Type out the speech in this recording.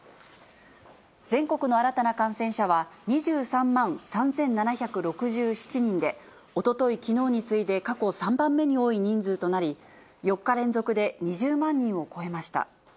全国の新たな感染者は、２３万３７６７人で、おととい、きのうに次いで過去３番目に多い人数となり、４日連続で２０万人を超えました。